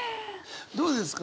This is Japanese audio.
どうですか？